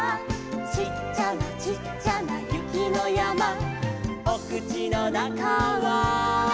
「ちっちゃなちっちゃなゆきのやま」「おくちのなかは」